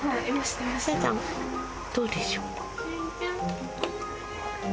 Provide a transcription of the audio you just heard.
どうでしょう。